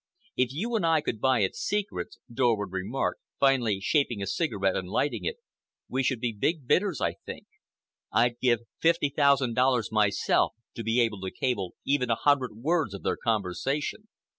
"If you and I could buy its secrets," Dorward remarked, finally shaping a cigarette and lighting it, "we should be big bidders, I think. I'd give fifty thousand dollars myself to be able to cable even a hundred words of their conversation."